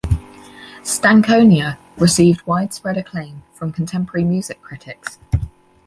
"Stankonia" received widespread acclaim from contemporary music critics.